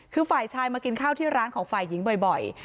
คือฝ่ายชายมากินข้าวที่ร้านของฝ่ายหญิงบ่อย